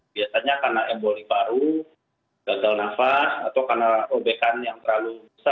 biasanya karena eboli paru gagal nafas atau karena obekan yang terlalu besar